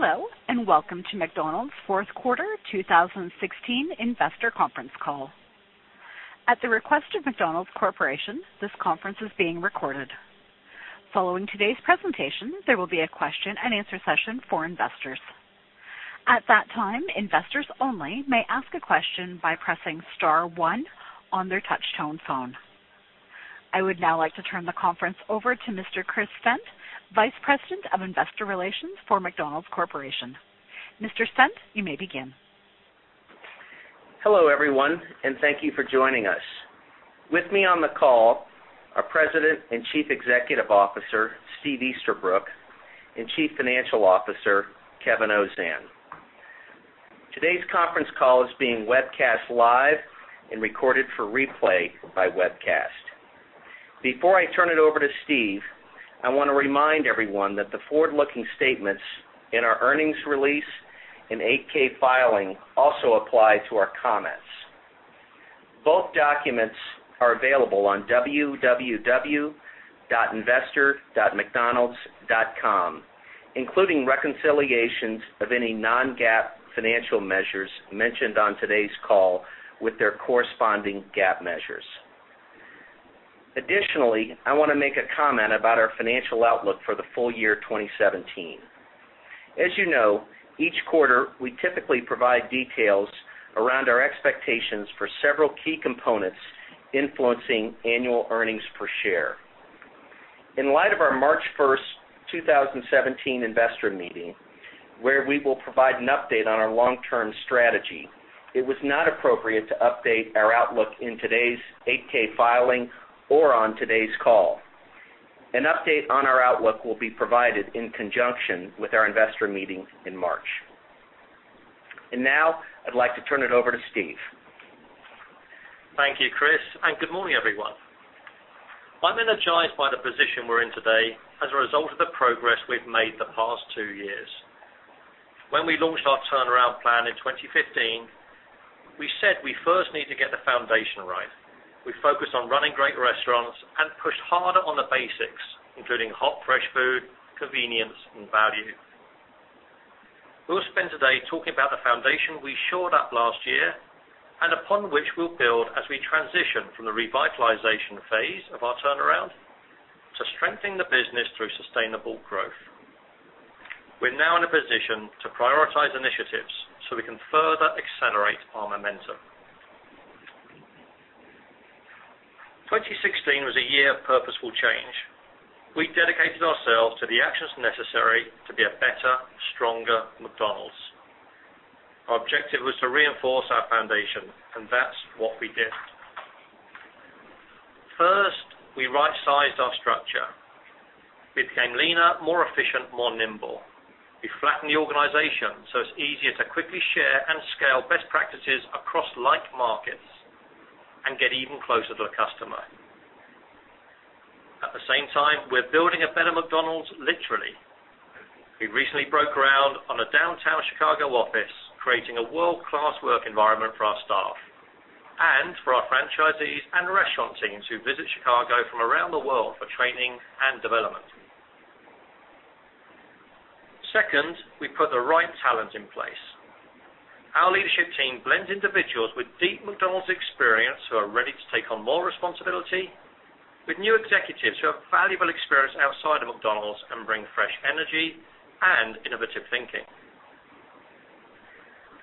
Hello, welcome to McDonald's fourth quarter 2016 investor conference call. At the request of McDonald's Corporation, this conference is being recorded. Following today's presentation, there will be a question and answer session for investors. At that time, investors only may ask a question by pressing star one on their touch-tone phone. I would now like to turn the conference over to Mr. Chris Stent, Vice President of Investor Relations for McDonald's Corporation. Mr. Stent, you may begin. Hello, everyone, thank you for joining us. With me on the call are President and Chief Executive Officer, Steve Easterbrook, and Chief Financial Officer, Kevin Ozan. Today's conference call is being webcast live and recorded for replay by Webcast. Before I turn it over to Steve, I want to remind everyone that the forward-looking statements in our earnings release and 8-K filing also apply to our comments. Both documents are available on www.investor.mcdonalds.com, including reconciliations of any non-GAAP financial measures mentioned on today's call with their corresponding GAAP measures. I want to make a comment about our financial outlook for the full year 2017. As you know, each quarter we typically provide details around our expectations for several key components influencing annual earnings per share. In light of our March 1st, 2017 investor meeting, where we will provide an update on our long-term strategy, it was not appropriate to update our outlook in today's 8-K filing or on today's call. An update on our outlook will be provided in conjunction with our investor meeting in March. Now I'd like to turn it over to Steve. Thank you, Chris, good morning, everyone. I'm energized by the position we're in today as a result of the progress we've made the past two years. When we launched our turnaround plan in 2015, we said we first need to get the foundation right. We focused on running great restaurants and pushed harder on the basics, including hot, fresh food, convenience, and value. We'll spend today talking about the foundation we shored up last year and upon which we'll build as we transition from the revitalization phase of our turnaround to strengthening the business through sustainable growth. We're now in a position to prioritize initiatives so we can further accelerate our momentum. 2016 was a year of purposeful change. We dedicated ourselves to the actions necessary to be a better, stronger McDonald's. Our objective was to reinforce our foundation, that's what we did. First, we right-sized our structure. We became leaner, more efficient, more nimble. We flattened the organization so it's easier to quickly share and scale best practices across like markets and get even closer to the customer. At the same time, we're building a better McDonald's, literally. We recently broke ground on a downtown Chicago office, creating a world-class work environment for our staff and for our franchisees and restaurant teams who visit Chicago from around the world for training and development. Second, we put the right talent in place. Our leadership team blends individuals with deep McDonald's experience who are ready to take on more responsibility with new executives who have valuable experience outside of McDonald's and bring fresh energy and innovative thinking.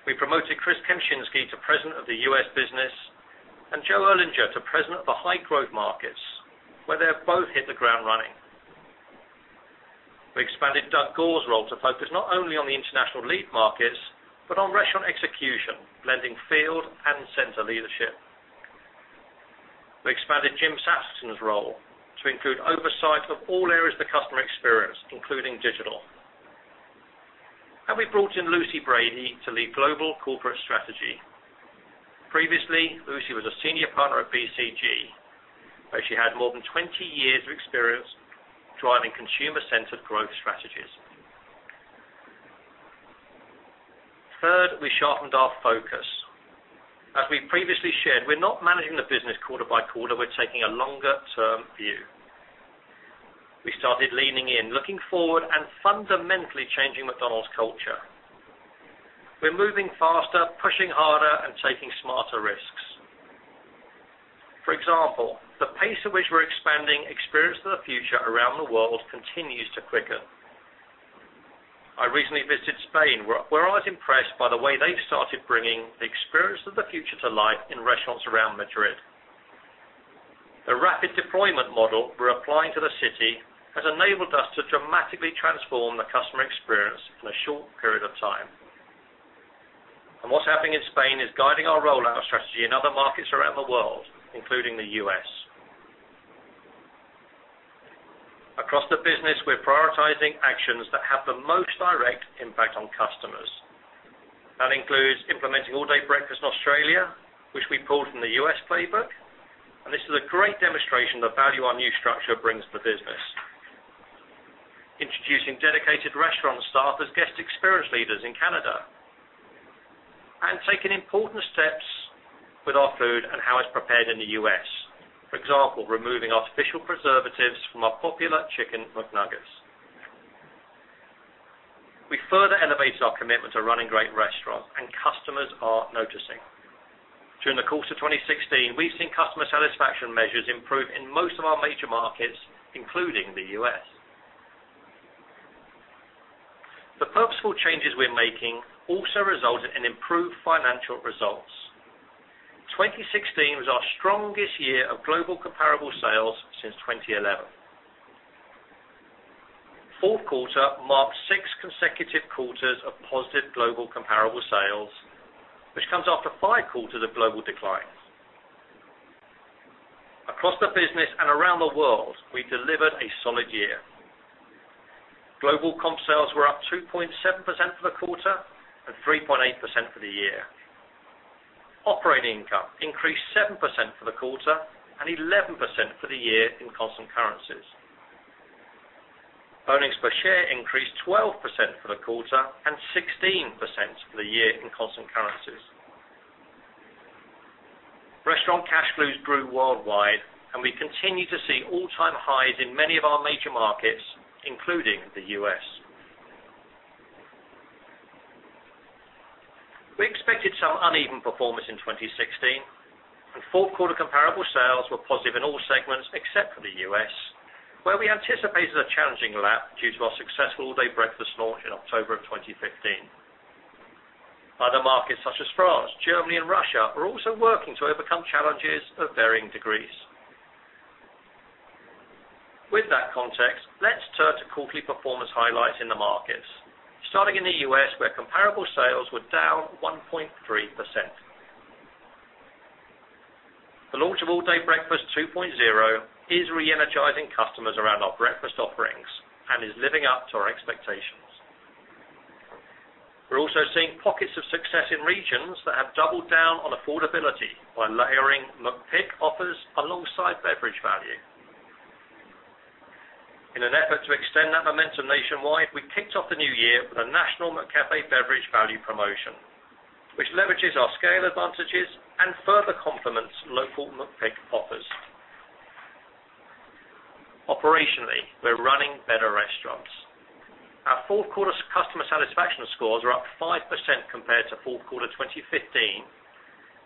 We promoted Chris Kempczinski to President of the U.S. business and Joe Erlinger to President of the High Growth Markets, where they have both hit the ground running. We expanded Doug Goare's role to focus not only on the international lead markets, but on restaurant execution, blending field and center leadership. We expanded Jim Sappington's role to include oversight of all areas of the customer experience, including digital. We brought in Lucy Brady to lead global corporate strategy. Previously, Lucy was a senior partner at BCG, where she had more than 20 years of experience driving consumer-centered growth strategies. Third, we sharpened our focus. As we previously shared, we're not managing the business quarter by quarter. We're taking a longer-term view. We started leaning in, looking forward, and fundamentally changing McDonald's culture. We're moving faster, pushing harder, and taking smarter risks. For example, the pace at which we're expanding Experience of the Future around the world continues to quicken. I recently visited Spain, where I was impressed by the way they've started bringing the Experience of the Future to life in restaurants around Madrid. The rapid deployment model we're applying to the city has enabled us to dramatically transform the customer experience in a short period of time. What's happening in Spain is guiding our rollout strategy in other markets around the world, including the U.S. Across the business, we're prioritizing actions that have the most direct impact on customers. That includes implementing All Day Breakfast in Australia, which we pulled from the U.S. playbook. This is a great demonstration of value our new structure brings to business. Introducing dedicated restaurant staff as guest experience leaders in Canada. Taken important steps with our food and how it's prepared in the U.S. For example, removing artificial preservatives from our popular Chicken McNuggets. We further elevated our commitment to running great restaurants. Customers are noticing. During the course of 2016, we've seen customer satisfaction measures improve in most of our major markets, including the U.S. The purposeful changes we're making also resulted in improved financial results. 2016 was our strongest year of global comparable sales since 2011. Fourth quarter marked six consecutive quarters of positive global comparable sales, which comes after five quarters of global declines. Across the business and around the world, we delivered a solid year. Global comp sales were up 2.7% for the quarter and 3.8% for the year. Operating income increased 7% for the quarter and 11% for the year in constant currencies. Earnings per share increased 12% for the quarter and 16% for the year in constant currencies. Restaurant cash flows grew worldwide, and we continue to see all-time highs in many of our major markets, including the U.S. We expected some uneven performance in 2016, and fourth quarter comparable sales were positive in all segments except for the U.S., where we anticipated a challenging lap due to our successful All Day Breakfast launch in October 2015. Other markets such as France, Germany, and Russia are also working to overcome challenges of varying degrees. With that context, let's turn to quarterly performance highlights in the markets. Starting in the U.S., where comparable sales were down 1.3%. The launch of All Day Breakfast 2.0 is re-energizing customers around our breakfast offerings and is living up to our expectations. We're also seeing pockets of success in regions that have doubled down on affordability by layering McPick offers alongside beverage value. In an effort to extend that momentum nationwide, we kicked off the new year with a national McCafé beverage value promotion, which leverages our scale advantages and further complements local McPick offers. Operationally, we're running better restaurants. Our fourth quarter customer satisfaction scores are up 5% compared to Q4 2015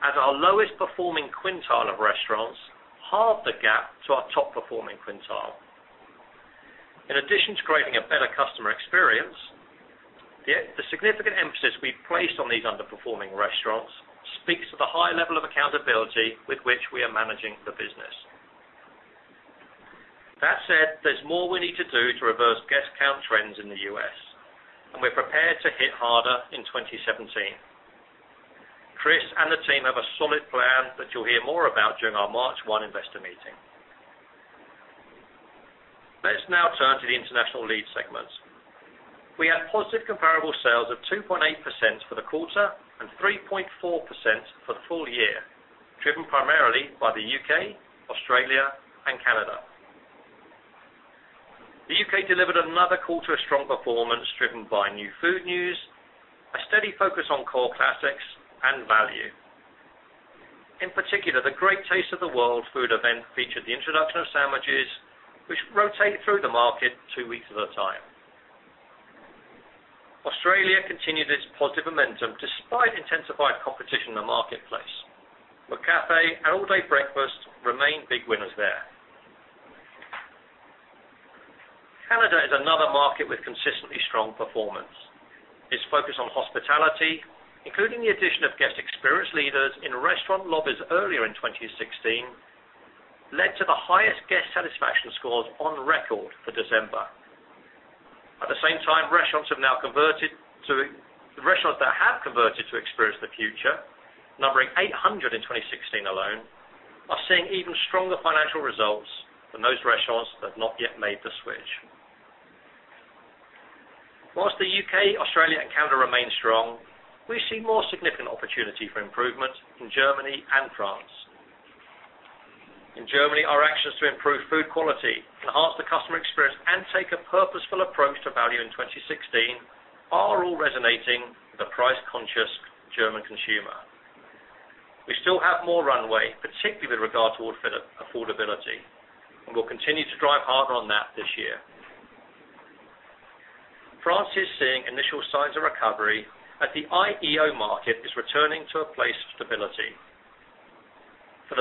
as our lowest-performing quintile of restaurants halve the gap to our top-performing quintile. In addition to creating a better customer experience, the significant emphasis we've placed on these underperforming restaurants speaks to the high level of accountability with which we are managing the business. That said, there's more we need to do to reverse guest count trends in the U.S., and we're prepared to hit harder in 2017. Chris and the team have a solid plan that you'll hear more about during our March 1 investor meeting. Let's now turn to the international lead segments. We had positive comparable sales of 2.8% for the quarter and 3.4% for the full year, driven primarily by the U.K., Australia, and Canada. The U.K. delivered another quarter of strong performance, driven by new food news, a steady focus on core classics, and value. In particular, the Great Taste of the World food event featured the introduction of sandwiches which rotate through the market two weeks at a time. Australia continued its positive momentum despite intensified competition in the marketplace. McCafé and All Day Breakfast remain big winners there. Canada is another market with consistently strong performance. Its focus on hospitality, including the addition of guest experience leaders in restaurant lobbies earlier in 2016, led to the highest guest satisfaction scores on record for December. At the same time, restaurants that have converted to Experience of the Future, numbering 800 in 2016 alone, are seeing even stronger financial results than those restaurants that have not yet made the switch. Whilst the U.K., Australia, and Canada remain strong, we see more significant opportunity for improvement in Germany and France. In Germany, our actions to improve food quality, enhance the customer experience, and take a purposeful approach to value in 2016 are all resonating with the price-conscious German consumer. We still have more runway, particularly with regard to affordability, and we'll continue to drive harder on that this year. France is seeing initial signs of recovery as the IEO market is returning to a place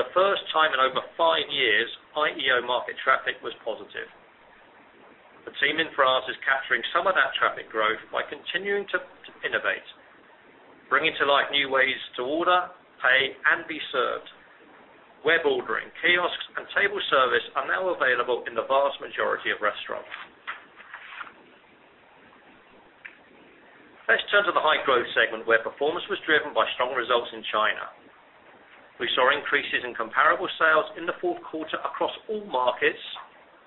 of stability. For the first time in over five years, IEO market traffic was positive. The team in France is capturing some of that traffic growth by continuing to innovate, bringing to light new ways to order, pay, and be served. Web ordering, kiosks, and table service are now available in the vast majority of restaurants. Let's turn to the High Growth segment, where performance was driven by strong results in China. We saw increases in comparable sales in the fourth quarter across all markets,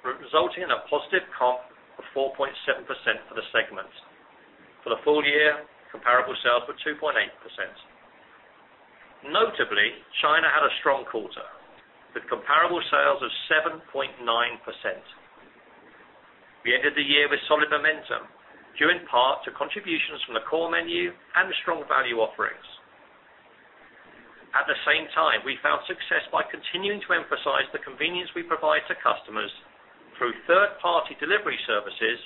resulting in a positive comp of 4.7% for the segment. For the full year, comparable sales were 2.8%. Notably, China had a strong quarter, with comparable sales of 7.9%. We ended the year with solid momentum, due in part to contributions from the core menu and strong value offerings. At the same time, we found success by continuing to emphasize the convenience we provide to customers through third-party delivery services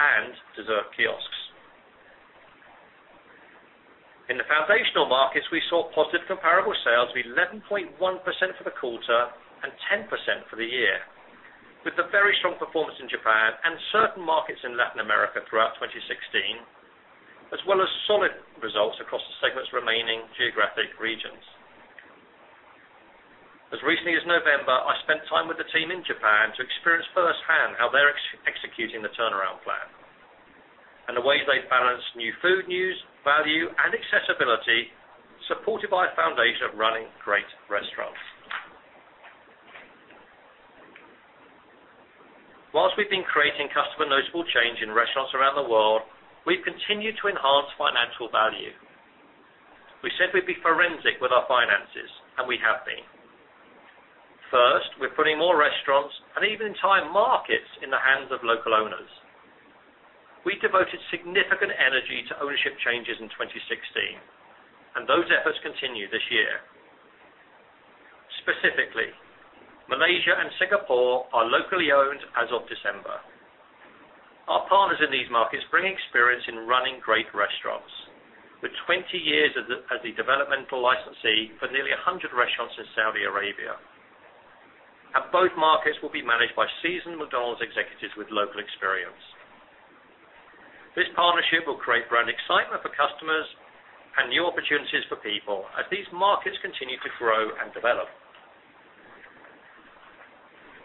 and dessert kiosks. In the Foundational Markets, we saw positive comparable sales of 11.1% for the quarter and 10% for the year, with a very strong performance in Japan and certain markets in Latin America throughout 2016, as well as solid results across the segment's remaining geographic regions. As recently as November, I spent time with the team in Japan to experience firsthand how they're executing the turnaround plan and the ways they balance new food news, value, and accessibility, supported by a foundation of running great restaurants. Whilst we've been creating customer noticeable change in restaurants around the world, we've continued to enhance financial value. We said we'd be forensic with our finances, and we have been. First, we're putting more restaurants and even entire markets in the hands of local owners. We devoted significant energy to ownership changes in 2016, and those efforts continue this year. Specifically, Malaysia and Singapore are locally owned as of December. Our partners in these markets bring experience in running great restaurants, with 20 years as a developmental licensee for nearly 100 restaurants in Saudi Arabia. Both markets will be managed by seasoned McDonald's executives with local experience. This partnership will create brand excitement for customers and new opportunities for people as these markets continue to grow and develop.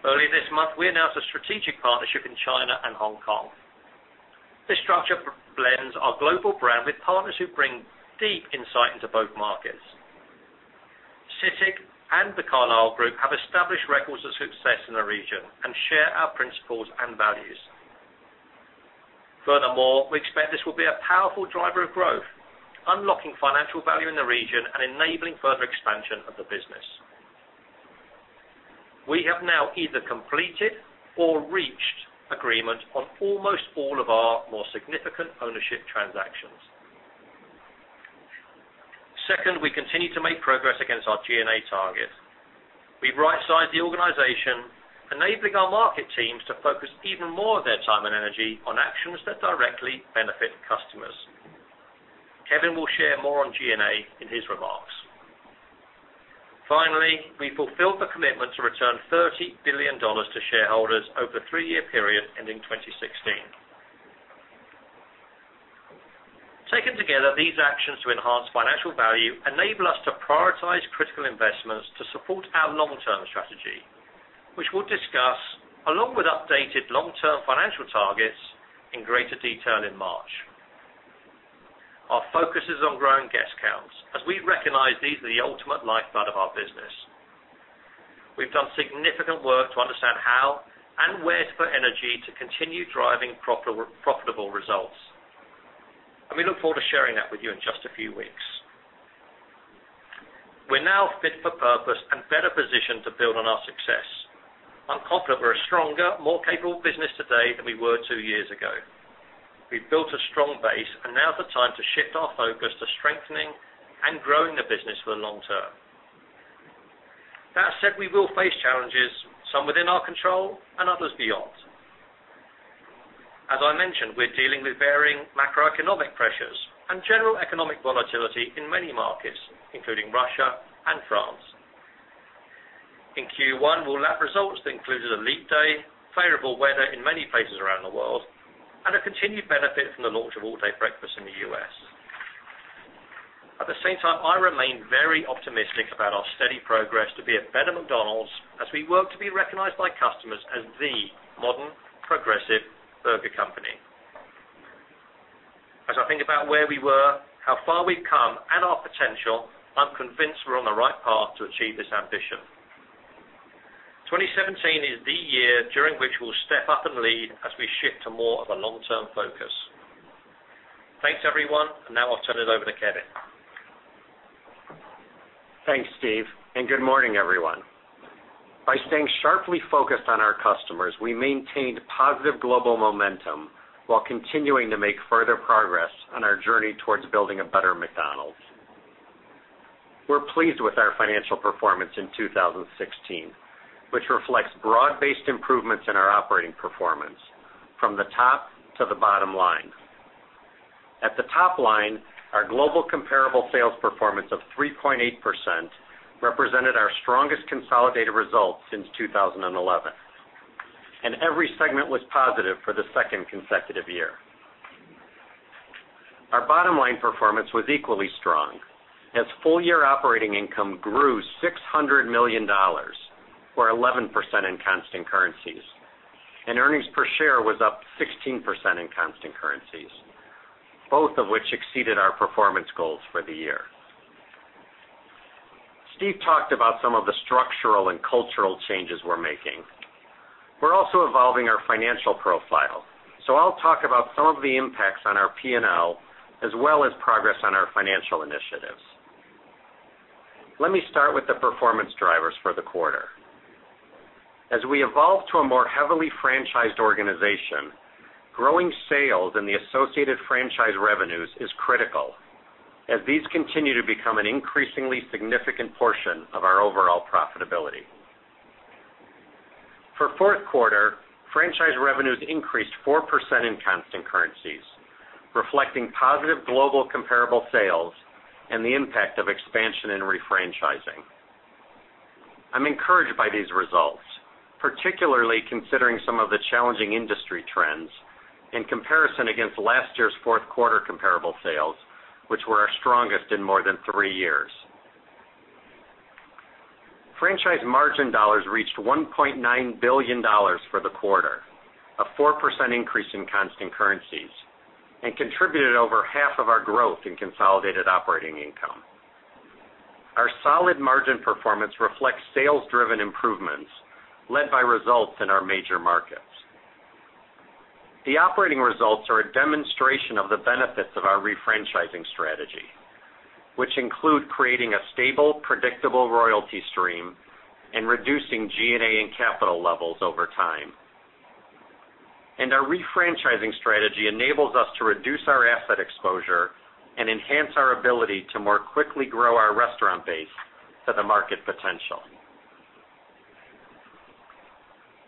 Early this month, we announced a strategic partnership in China and Hong Kong. This structure blends our global brand with partners who bring deep insight into both markets. CITIC and The Carlyle Group have established records of success in the region and share our principles and values. We expect this will be a powerful driver of growth, unlocking financial value in the region and enabling further expansion of the business. We have now either completed or reached agreement on almost all of our more significant ownership transactions. Second, we continue to make progress against our G&A target. We've right-sized the organization, enabling our market teams to focus even more of their time and energy on actions that directly benefit customers. Kevin will share more on G&A in his remarks. Finally, we fulfilled the commitment to return $30 billion to shareholders over the three-year period ending 2016. Taken together, these actions to enhance financial value enable us to prioritize critical investments to support our long-term strategy, which we'll discuss along with updated long-term financial targets in greater detail in March. Our focus is on growing guest counts as we recognize these are the ultimate lifeblood of our business. We've done significant work to understand how and where to put energy to continue driving profitable results. We look forward to sharing that with you in just a few weeks. We're now fit for purpose and better positioned to build on our success. I'm confident we're a stronger, more capable business today than we were two years ago. We've built a strong base, and now is the time to shift our focus to strengthening and growing the business for the long term. That said, we will face challenges, some within our control and others beyond. As I mentioned, we're dealing with varying macroeconomic pressures and general economic volatility in many markets, including Russia and France. In Q1, we'll lap results that included a leap day, favorable weather in many places around the world, and a continued benefit from the launch of All Day Breakfast in the U.S. At the same time, I remain very optimistic about our steady progress to be a better McDonald's as we work to be recognized by customers as the modern, progressive burger company. As I think about where we were, how far we've come, and our potential, I'm convinced we're on the right path to achieve this ambition. 2017 is the year during which we'll step up and lead as we shift to more of a long-term focus. Thanks, everyone. Now I'll turn it over to Kevin. Thanks, Steve. Good morning, everyone. By staying sharply focused on our customers, we maintained positive global momentum while continuing to make further progress on our journey towards building a better McDonald's. We're pleased with our financial performance in 2016, which reflects broad-based improvements in our operating performance from the top to the bottom line. At the top line, our global comparable sales performance of 3.8% represented our strongest consolidated result since 2011. Every segment was positive for the second consecutive year. Our bottom-line performance was equally strong, as full-year operating income grew $600 million, or 11% in constant currencies. Earnings per share was up 16% in constant currencies, both of which exceeded our performance goals for the year. Steve talked about some of the structural and cultural changes we're making. We're also evolving our financial profile, I'll talk about some of the impacts on our P&L, as well as progress on our financial initiatives. Let me start with the performance drivers for the quarter. As we evolve to a more heavily franchised organization, growing sales and the associated franchise revenues is critical, as these continue to become an increasingly significant portion of our overall profitability. For fourth quarter, franchise revenues increased 4% in constant currencies, reflecting positive global comparable sales and the impact of expansion and refranchising. I'm encouraged by these results, particularly considering some of the challenging industry trends in comparison against last year's fourth quarter comparable sales, which were our strongest in more than three years. Franchise margin dollars reached $1.9 billion for the quarter, a 4% increase in constant currencies, and contributed over half of our growth in consolidated operating income. Our solid margin performance reflects sales-driven improvements led by results in our major markets. The operating results are a demonstration of the benefits of our refranchising strategy, which include creating a stable, predictable royalty stream and reducing G&A and capital levels over time. Our refranchising strategy enables us to reduce our asset exposure and enhance our ability to more quickly grow our restaurant base to the market potential.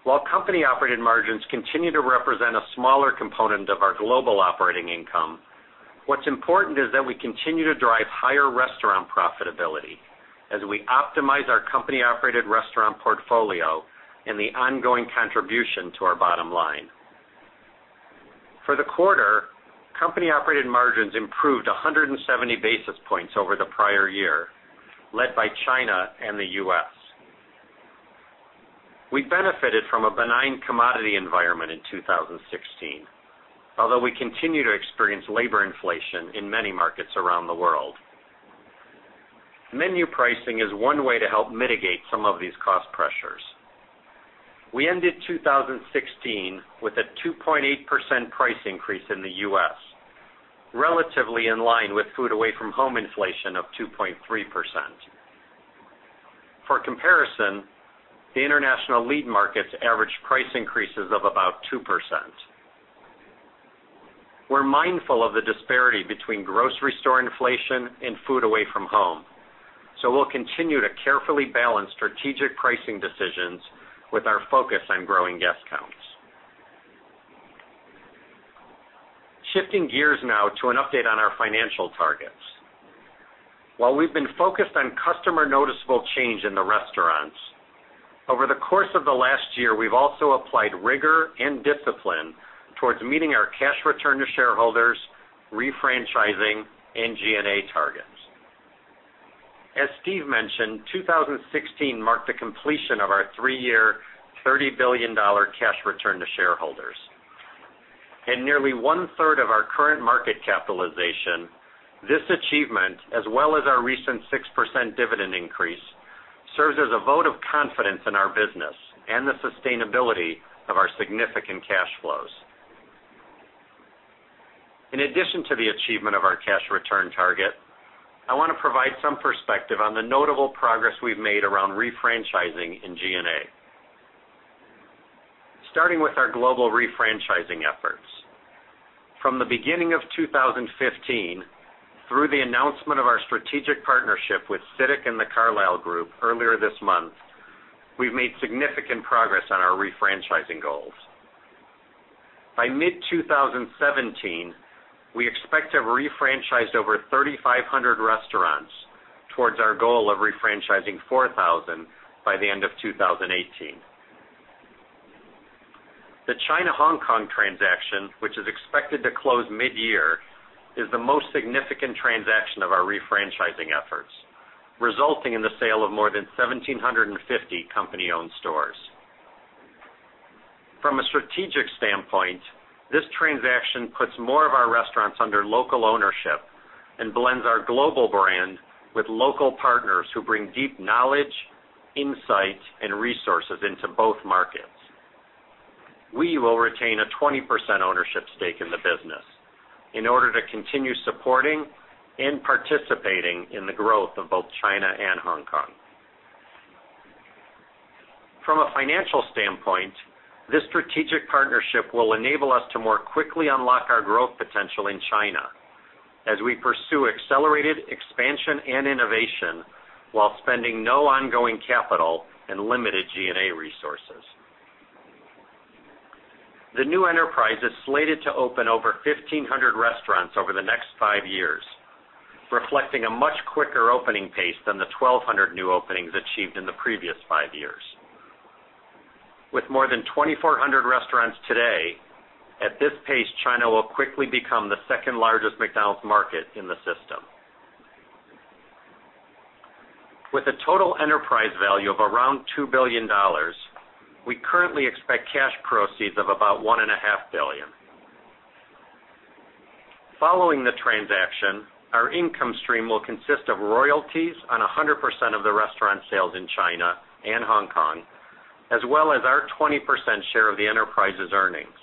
While company-operated margins continue to represent a smaller component of our global operating income, what's important is that we continue to drive higher restaurant profitability as we optimize our company-operated restaurant portfolio and the ongoing contribution to our bottom line. For the quarter, company-operated margins improved 170 basis points over the prior year, led by China and the U.S. We benefited from a benign commodity environment in 2016, although we continue to experience labor inflation in many markets around the world. Menu pricing is one way to help mitigate some of these cost pressures. We ended 2016 with a 2.8% price increase in the U.S., relatively in line with food away from home inflation of 2.3%. For comparison, the international lead markets average price increases of about 2%. We're mindful of the disparity between grocery store inflation and food away from home, we'll continue to carefully balance strategic pricing decisions with our focus on growing guest counts. Shifting gears now to an update on our financial targets. While we've been focused on customer noticeable change in the restaurants, over the course of the last year, we've also applied rigor and discipline towards meeting our cash return to shareholders, refranchising, and G&A targets. As Steve mentioned, 2016 marked the completion of our three-year $30 billion cash return to shareholders. In nearly one-third of our current market capitalization, this achievement, as well as our recent 6% dividend increase, serves as a vote of confidence in our business and the sustainability of our significant cash flows. In addition to the achievement of our cash return target, I want to provide some perspective on the notable progress we've made around refranchising in G&A. Starting with our global refranchising efforts. From the beginning of 2015, through the announcement of our strategic partnership with CITIC and The Carlyle Group earlier this month, we've made significant progress on our refranchising goals. By mid-2017, we expect to have refranchised over 3,500 restaurants towards our goal of refranchising 4,000 by the end of 2018. The China-Hong Kong transaction, which is expected to close mid-year, is the most significant transaction of our refranchising efforts, resulting in the sale of more than 1,750 company-owned stores. From a strategic standpoint, this transaction puts more of our restaurants under local ownership and blends our global brand with local partners who bring deep knowledge, insight, and resources into both markets. We will retain a 20% ownership stake in the business in order to continue supporting and participating in the growth of both China and Hong Kong. From a financial standpoint, this strategic partnership will enable us to more quickly unlock our growth potential in China as we pursue accelerated expansion and innovation while spending no ongoing capital and limited G&A resources. The new enterprise is slated to open over 1,500 restaurants over the next five years, reflecting a much quicker opening pace than the 1,200 new openings achieved in the previous five years. With more than 2,400 restaurants today, at this pace, China will quickly become the second-largest McDonald's market in the system. With a total enterprise value of around $2 billion, we currently expect cash proceeds of about $1.5 billion. Following the transaction, our income stream will consist of royalties on 100% of the restaurant sales in China and Hong Kong, as well as our 20% share of the enterprise's earnings.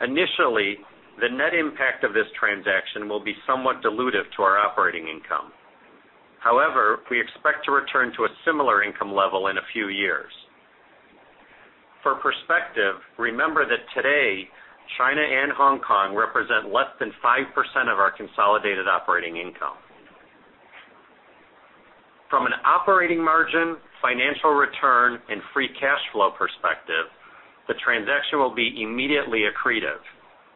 Initially, the net impact of this transaction will be somewhat dilutive to our operating income. However, we expect to return to a similar income level in a few years. For perspective, remember that today, China and Hong Kong represent less than 5% of our consolidated operating income. From an operating margin, financial return, and free cash flow perspective, the transaction will be immediately accretive,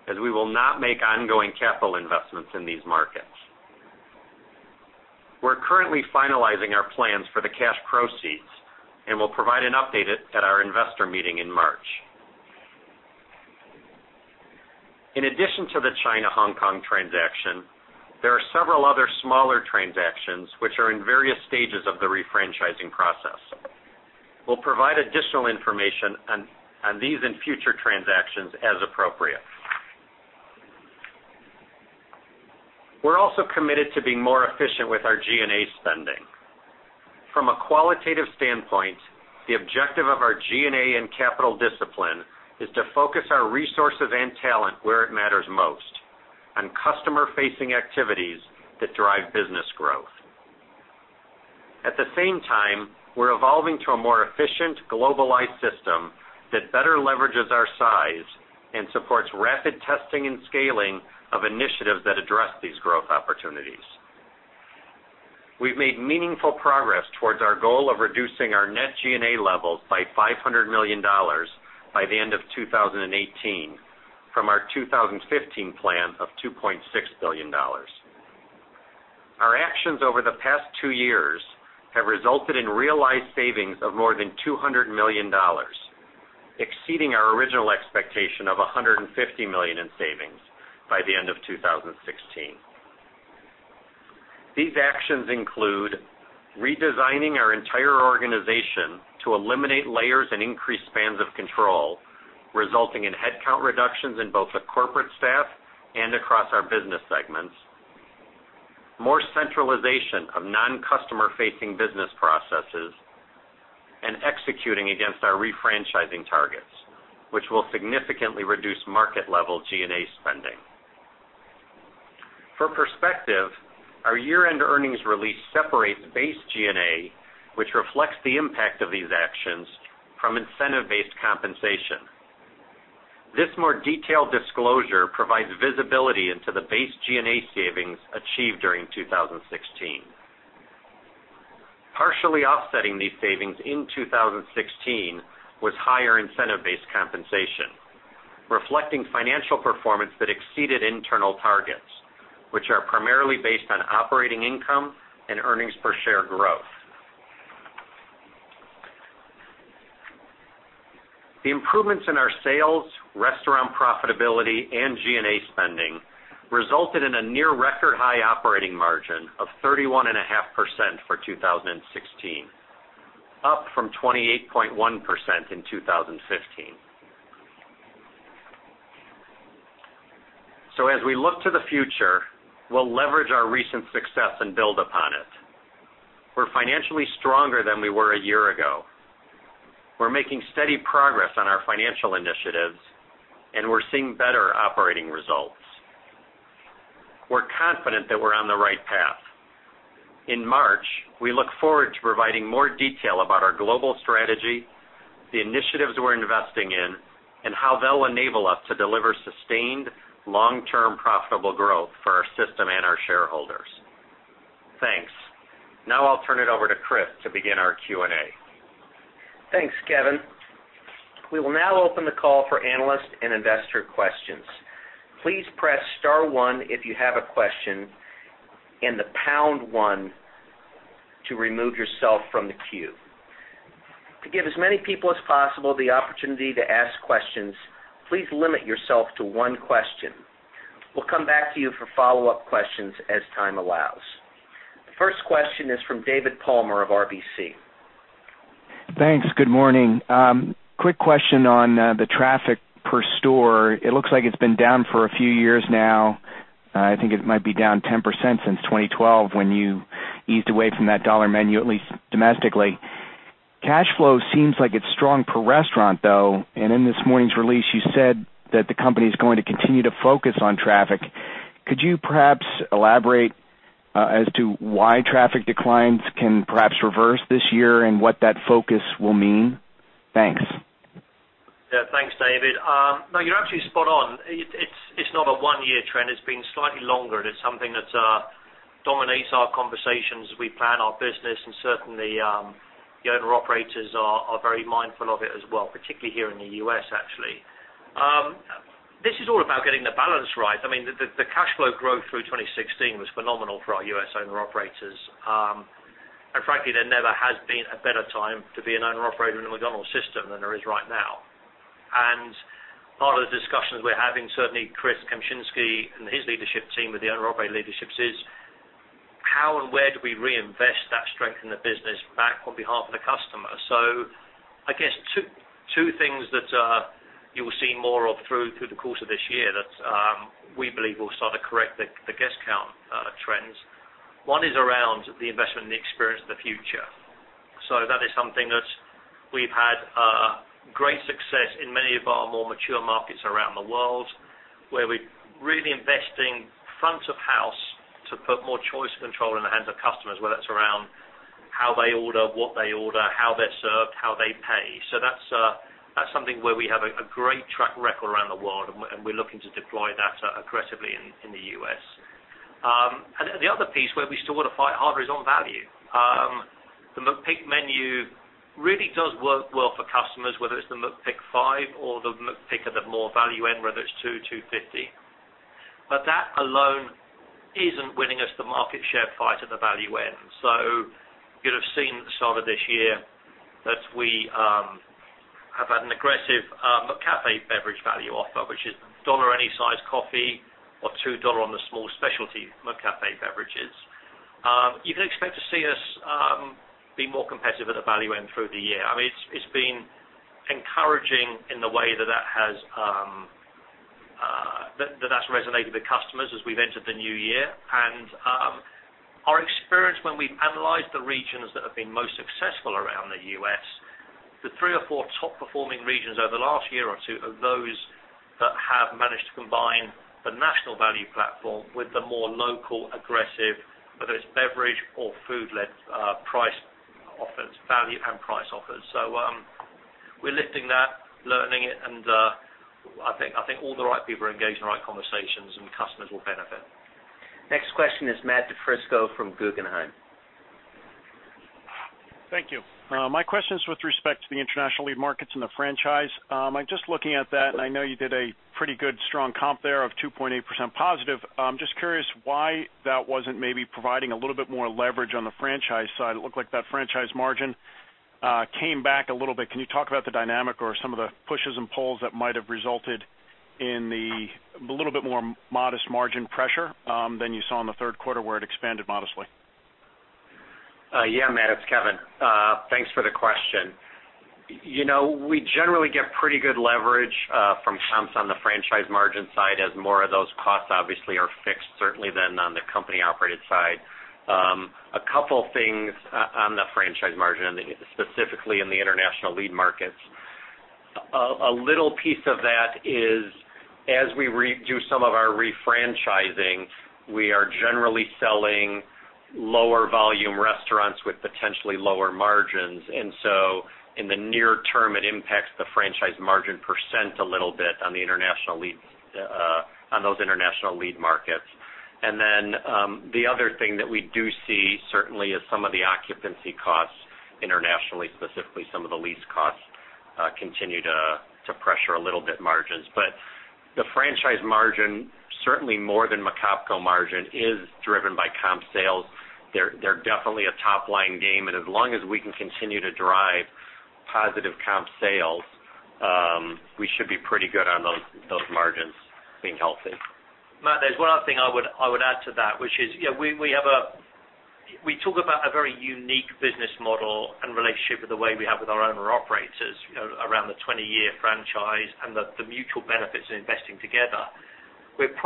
as we will not make ongoing capital investments in these markets. We're currently finalizing our plans for the cash proceeds and will provide an update at our investor meeting in March. In addition to the China-Hong Kong transaction, there are several other smaller transactions which are in various stages of the refranchising process. We'll provide additional information on these and future transactions as appropriate. We're also committed to being more efficient with our G&A spending. From a qualitative standpoint, the objective of our G&A and capital discipline is to focus our resources and talent where it matters most, on customer-facing activities that drive business growth. At the same time, we're evolving to a more efficient, globalized system that better leverages our size and supports rapid testing and scaling of initiatives that address these growth opportunities. We've made meaningful progress towards our goal of reducing our net G&A levels by $500 million by the end of 2018 from our 2015 plan of $2.6 billion. Our actions over the past two years have resulted in realized savings of more than $200 million, exceeding our original expectation of $150 million in savings by the end of 2016. These actions include redesigning our entire organization to eliminate layers and increase spans of control, resulting in headcount reductions in both the corporate staff and across our business segments, more centralization of non-customer-facing business processes, and executing against our refranchising targets, which will significantly reduce market-level G&A spending. For perspective, our year-end earnings release separates base G&A, which reflects the impact of these actions, from incentive-based compensation. This more detailed disclosure provides visibility into the base G&A savings achieved during 2016. Partially offsetting these savings in 2016 was higher incentive-based compensation, reflecting financial performance that exceeded internal targets, which are primarily based on operating income and earnings per share growth. The improvements in our sales, restaurant profitability, and G&A spending resulted in a near record-high operating margin of 31.5% for 2016, up from 28.1% in 2015. As we look to the future, we'll leverage our recent success and build upon it. We're financially stronger than we were a year ago. We're making steady progress on our financial initiatives, and we're seeing better operating results. We're confident that we're on the right path. In March, we look forward to providing more detail about our global strategy, the initiatives we're investing in, and how they'll enable us to deliver sustained long-term profitable growth for our system and our shareholders. Thanks. Now I'll turn it over to Chris to begin our Q&A. Thanks, Kevin. We will now open the call for analyst and investor questions. Please press star one if you have a question and the pound one to remove yourself from the queue. To give as many people as possible the opportunity to ask questions, please limit yourself to one question. We'll come back to you for follow-up questions as time allows. The first question is from David Palmer of RBC. Thanks. Good morning. Quick question on the traffic per store. It looks like it's been down for a few years now. I think it might be down 10% since 2012 when you eased away from that dollar menu, at least domestically. Cash flow seems like it's strong per restaurant, though, and in this morning's release you said that the company's going to continue to focus on traffic. Could you perhaps elaborate as to why traffic declines can perhaps reverse this year, and what that focus will mean? Thanks. Yeah. Thanks, David. No, you're actually spot on. It's not a one-year trend. It's been slightly longer, and it's something that dominates our conversations as we plan our business, and certainly, the owner-operators are very mindful of it as well, particularly here in the U.S., actually. This is all about getting the balance right. I mean, the cash flow growth through 2016 was phenomenal for our U.S. owner-operators. Frankly, there never has been a better time to be an owner-operator in a McDonald's system than there is right now. Part of the discussions we're having, certainly Chris Kempczinski and his leadership team with the owner-operator leadership says, "How and where do we reinvest that strength in the business back on behalf of the customer?" I guess two things that you will see more of through the course of this year that we believe will start to correct the guest count. One is around the investment in the Experience of the Future. That is something that we've had great success in many of our more mature markets around the world, where we're really investing front of house to put more choice and control in the hands of customers, whether that's around how they order, what they order, how they're served, how they pay. That's something where we have a great track record around the world, and we're looking to deploy that aggressively in the U.S. The other piece where we still want to fight harder is on value. The McPick menu really does work well for customers, whether it's the McPick 5 or the McPick at the more value end, whether it's $2, $2.50. That alone isn't winning us the market share fight at the value end. You'd have seen at the start of this year that we have had an aggressive McCafé beverage value offer, which is $1 any size coffee or $2 on the small specialty McCafé beverages. You can expect to see us be more competitive at the value end through the year. It's been encouraging in the way that that has resonated with customers as we've entered the new year. Our experience when we've analyzed the regions that have been most successful around the U.S., the three or four top performing regions over the last year or two are those that have managed to combine the national value platform with the more local, aggressive, whether it's beverage or food-led price offers, value and price offers. We're lifting that, learning it, I think all the right people are engaged in the right conversations, and customers will benefit. Next question is Matt DiFrisco from Guggenheim. Thank you. My question is with respect to the International Lead Markets and the franchise. I'm just looking at that, and I know you did a pretty good, strong comp there of 2.8% positive. I'm just curious why that wasn't maybe providing a little bit more leverage on the franchise side. It looked like that franchise margin came back a little bit. Can you talk about the dynamic or some of the pushes and pulls that might have resulted in the little bit more modest margin pressure than you saw in the third quarter, where it expanded modestly? Matt, it's Kevin. Thanks for the question. We generally get pretty good leverage from comps on the franchise margin side as more of those costs obviously are fixed, certainly than on the company-operated side. A couple things on the franchise margin, specifically in the International Lead Markets. A little piece of that is as we do some of our refranchising, we are generally selling lower volume restaurants with potentially lower margins. In the near term, it impacts the franchise margin % a little bit on those International Lead Markets. The other thing that we do see certainly is some of the occupancy costs internationally, specifically some of the lease costs, continue to pressure a little bit margins. The franchise margin, certainly more than McOpCo margin, is driven by comp sales. They're definitely a top-line game. As long as we can continue to drive positive comp sales, we should be pretty good on those margins being healthy. Matt, there's one other thing I would add to that, which is we talk about a very unique business model and relationship with the way we have with our owner operators around the 20-year franchise and the mutual benefits of investing together. 2016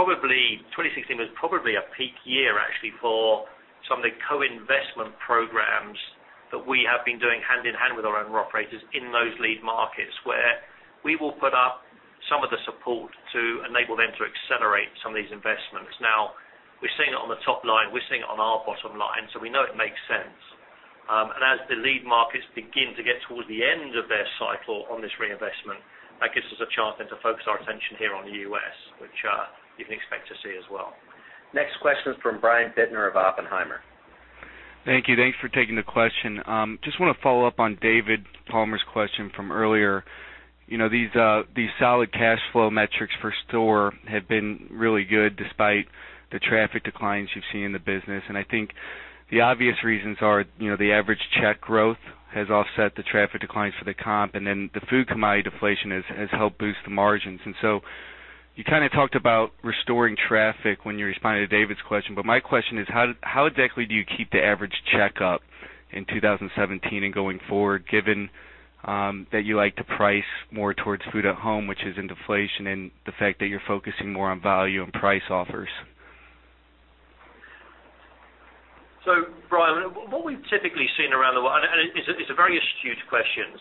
was probably a peak year, actually, for some of the co-investment programs that we have been doing hand in hand with our owner operators in those Lead Markets, where we will put up some of the support to enable them to accelerate some of these investments. Now we're seeing it on the top line, we're seeing it on our bottom line, we know it makes sense. As the Lead Markets begin to get towards the end of their cycle on this reinvestment, that gives us a chance then to focus our attention here on the U.S., which you can expect to see as well. Next question is from Brian Bittner of Oppenheimer. Thank you. Thanks for taking the question. Just want to follow up on David Palmer's question from earlier. These solid cash flow metrics for store have been really good despite the traffic declines you've seen in the business. I think the obvious reasons are the average check growth has offset the traffic declines for the comp, and then the food commodity deflation has helped boost the margins. You kind of talked about restoring traffic when you responded to David's question. My question is, how exactly do you keep the average check up in 2017 and going forward, given that you like to price more towards food at home, which is in deflation, and the fact that you're focusing more on value and price offers? Brian, what we've typically seen around the world, and it's a very astute question.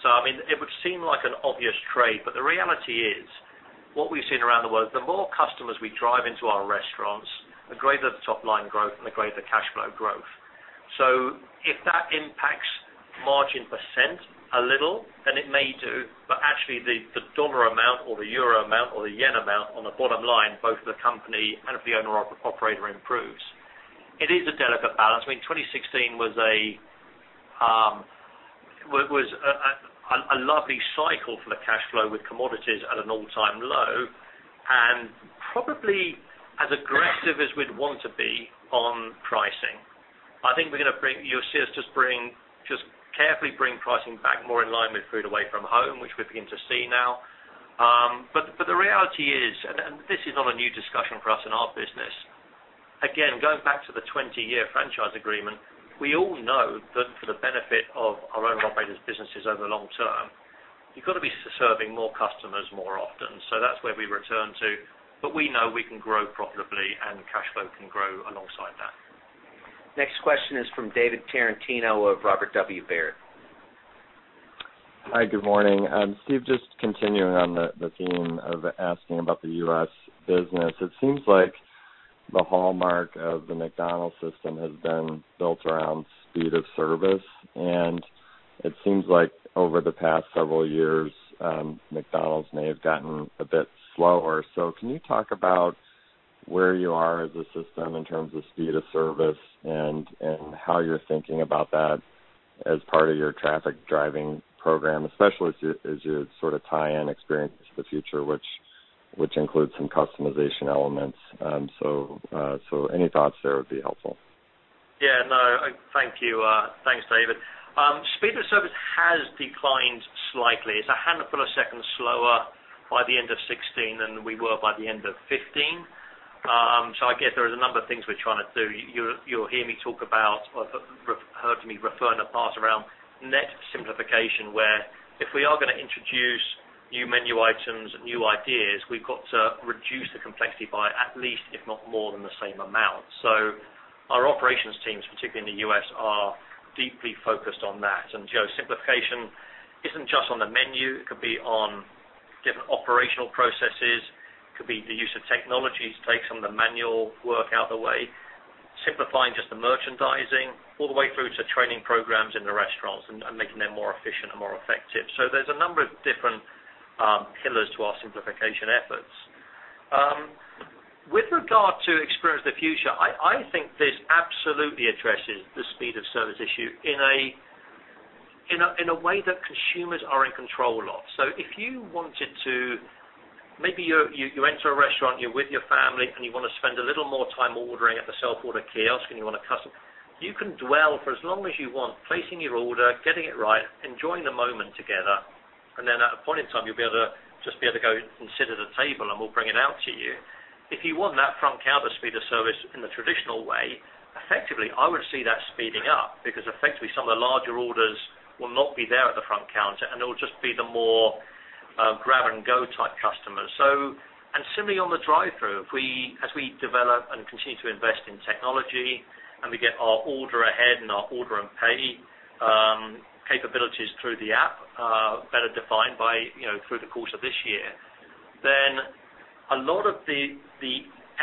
It would seem like an obvious trade, but the reality is, what we've seen around the world, the more customers we drive into our restaurants, the greater the top-line growth and the greater the cash flow growth. If that impacts margin % a little, then it may do, but actually the $ amount or the EUR amount or the JPY amount on the bottom line, both for the company and for the owner operator improves. It is a delicate balance. 2016 was a lovely cycle for the cash flow with commodities at an all-time low and probably as aggressive as we'd want to be on pricing. I think you'll see us just carefully bring pricing back more in line with food away from home, which we're beginning to see now. The reality is, and this is not a new discussion for us in our business. Again, going back to the 20-year franchise agreement, we all know that for the benefit of our owner operators' businesses over the long term You've got to be serving more customers more often. That's where we return to. We know we can grow profitably and cash flow can grow alongside that. Next question is from David Tarantino of Robert W. Baird. Hi, good morning. Steve, just continuing on the theme of asking about the U.S. business, it seems like the hallmark of the McDonald's system has been built around speed of service, and it seems like over the past several years, McDonald's may have gotten a bit slower. Can you talk about where you are as a system in terms of speed of service and how you're thinking about that as part of your traffic driving program, especially as you sort of tie in Experience of the Future, which includes some customization elements. Any thoughts there would be helpful. Yeah. No, thank you. Thanks, David. Speed of service has declined slightly. It's a handful of seconds slower by the end of 2016 than we were by the end of 2015. I guess there is a number of things we're trying to do. You'll hear me talk about, or heard me refer in the past around net simplification, where if we are going to introduce new menu items and new ideas, we've got to reduce the complexity by at least if not more than the same amount. Our operations teams, particularly in the U.S., are deeply focused on that. Joe, simplification isn't just on the menu, it could be on different operational processes, it could be the use of technologies to take some of the manual work out of the way, simplifying just the merchandising, all the way through to training programs in the restaurants and making them more efficient and more effective. There's a number of different pillars to our simplification efforts. With regard to Experience of the Future, I think this absolutely addresses the speed of service issue in a way that consumers are in control of. If you wanted to, maybe you enter a restaurant, you're with your family, and you want to spend a little more time ordering at the self-order kiosk and you want to custom. You can dwell for as long as you want, placing your order, getting it right, enjoying the moment together, and then at a point in time, you'll just be able to go and sit at a table and we'll bring it out to you. If you want that front counter speed of service in the traditional way, effectively, I would see that speeding up, because effectively some of the larger orders will not be there at the front counter, and it'll just be the more grab-and-go type customers. Similarly on the drive-thru, as we develop and continue to invest in technology and we get our order ahead and our order and pay capabilities through the app, better defined through the course of this year, a lot of the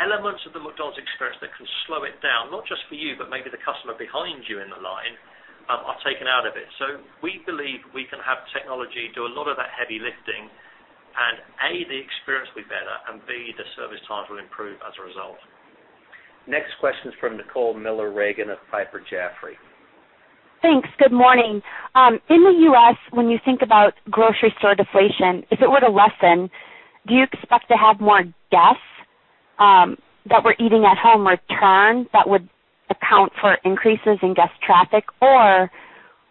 elements of the McDonald's experience that can slow it down, not just for you, but maybe the customer behind you in the line, are taken out of it. We believe we can have technology do a lot of that heavy lifting and A, the experience will be better, and B, the service times will improve as a result. Next question is from Nicole Miller Regan of Piper Jaffray. Thanks. Good morning. In the U.S., when you think about grocery store deflation, if it were to lessen, do you expect to have more guests that were eating at home return that would account for increases in guest traffic?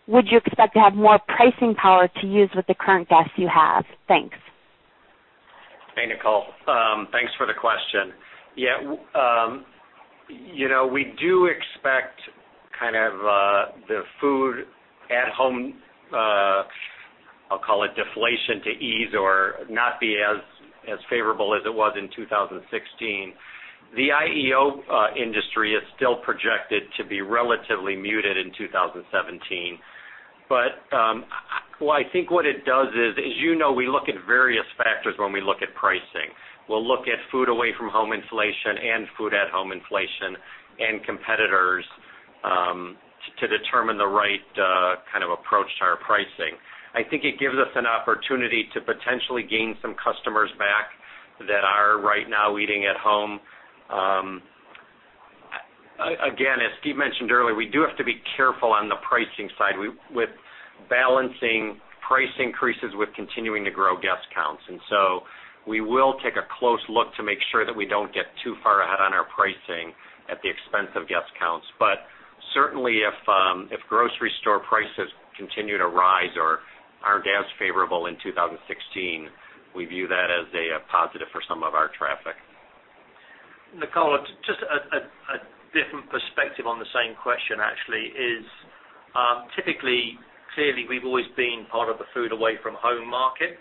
Would you expect to have more pricing power to use with the current guests you have? Thanks. Hey, Nicole. Thanks for the question. Yeah. We do expect kind of the food at home, I'll call it deflation to ease or not be as favorable as it was in 2016. The IEO industry is still projected to be relatively muted in 2017. I think what it does is, as you know, we look at various factors when we look at pricing. We'll look at food away from home inflation and food at home inflation and competitors, to determine the right kind of approach to our pricing. I think it gives us an opportunity to potentially gain some customers back that are right now eating at home. Again, as Steve mentioned earlier, we do have to be careful on the pricing side with balancing price increases with continuing to grow guest counts. We will take a close look to make sure that we don't get too far ahead on our pricing at the expense of guest counts. Certainly if grocery store prices continue to rise or aren't as favorable in 2016, we view that as a positive for some of our traffic. Nicole, just a different perspective on the same question actually is, typically, clearly, we've always been part of the food away from home market.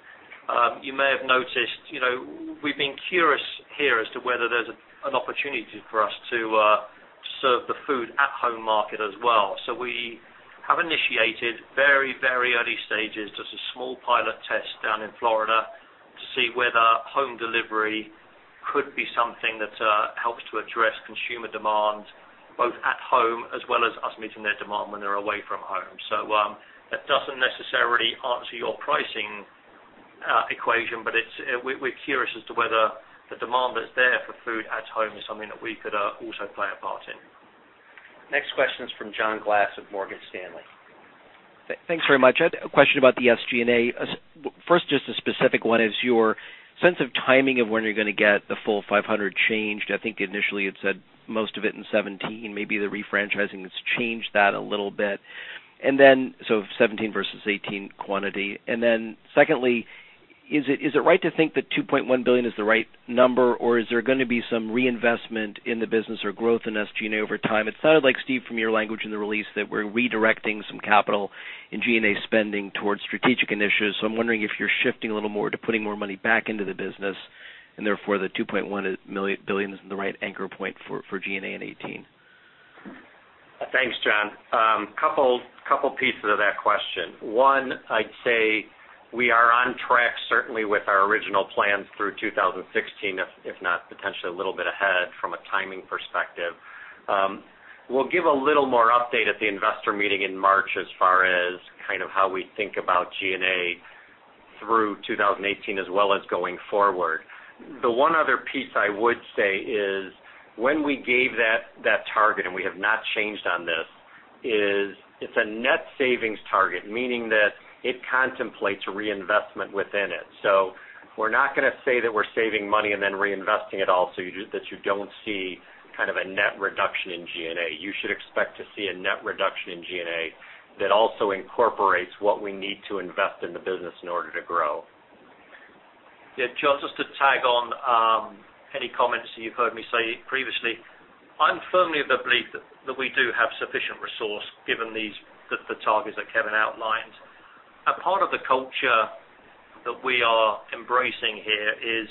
You may have noticed, we've been curious here as to whether there's an opportunity for us to serve the food at home market as well. We have initiated very early stages, just a small pilot test down in Florida to see whether home delivery could be something that helps to address consumer demand, both at home as well as us meeting their demand when they're away from home. That doesn't necessarily answer your pricing equation, but we're curious as to whether the demand that's there for food at home is something that we could also play a part in. Next question is from John Glass of Morgan Stanley. Thanks very much. I had a question about the SG&A. First, just a specific one is your sense of timing of when you're going to get the full 500 changed. I think initially it said most of it in 2017. Maybe the refranchising has changed that a little bit. 2017 versus 2018 quantity. Then secondly Is it right to think that $2.1 billion is the right number, or is there going to be some reinvestment in the business or growth in SG&A over time? It sounded like, Steve, from your language in the release, that we're redirecting some capital in G&A spending towards strategic initiatives. I'm wondering if you're shifting a little more to putting more money back into the business, and therefore the $2.1 billion is the right anchor point for G&A in 2018. Thanks, John. A couple pieces of that question. One, I'd say we are on track, certainly with our original plans through 2016, if not potentially a little bit ahead from a timing perspective. We'll give a little more update at the investor meeting in March as far as how we think about G&A through 2018, as well as going forward. The one other piece I would say is when we gave that target, and we have not changed on this, is it's a net savings target, meaning that it contemplates reinvestment within it. We're not going to say that we're saving money and then reinvesting it all so that you don't see a net reduction in G&A. You should expect to see a net reduction in G&A that also incorporates what we need to invest in the business in order to grow. Yeah, John, just to tag on any comments that you've heard me say previously, I'm firmly of the belief that we do have sufficient resource given the targets that Kevin outlined. A part of the culture that we are embracing here is